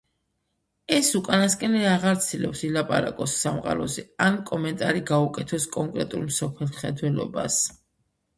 ეს უკანასკნელი აღარ ცდილობს ილაპარაკოს სამყაროზე ან კომენტარი გაუკეთოს კონკრეტულ მსოფლმხედველობას.